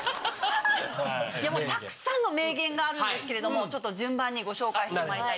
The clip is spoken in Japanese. たくさんの名言があるんですけれども順番にご紹介してまいりたいと思います。